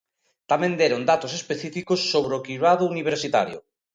Tamén deron datos específicos sobre o cribado universitario.